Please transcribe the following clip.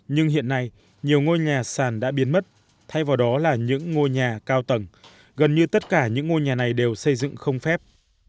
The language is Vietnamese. nhưng hiện nay nhiều ngôi nhà sàn đã biến mất thay vào đó là những ngôi nhà cao tầng gần như tất cả những ngôi nhà này đều xây dựng không phép